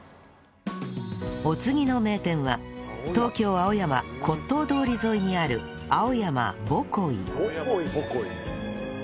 お次の名店は東京青山骨董通り沿いにある青山ぼこい